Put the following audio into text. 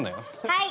はい。